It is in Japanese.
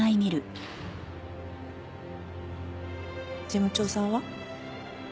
事務長さんは？